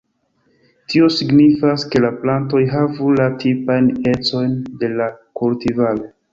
Tio signifas, ke la plantoj havu la tipajn ecojn de la kultivaro.